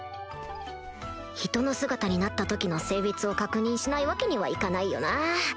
人の姿になった時の性別を確認しないわけにはいかないよな